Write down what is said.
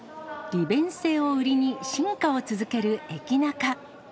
利便性を売りに進化を続ける駅ナカ。